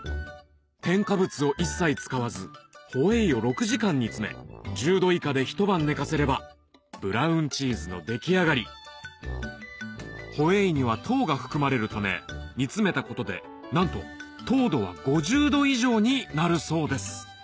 添加物を一切使わずホエイを６時間煮詰め１０度以下でひと晩寝かせればブラウンチーズの出来上がりホエイには糖が含まれるため煮詰めたことでなんと糖度は５０度以上になるそうですうん！